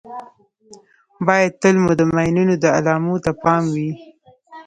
باید تل مو د ماینونو د علامو ته پام وي.